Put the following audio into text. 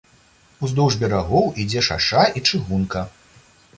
Уздоўж берагоў ідзе шаша і чыгунка.